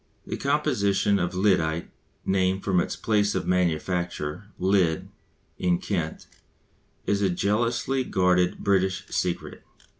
The composition of lyddite (named from its place of manufacture, Lydd, in Kent) is a jealously guarded British secret.